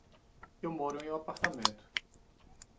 Eu moro em um apartamento.